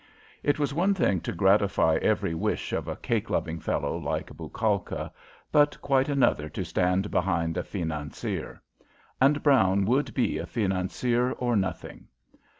It was one thing to gratify every wish of a cake loving fellow like Bouchalka, but quite another to stand behind a financier. And Brown would be a financier or nothing.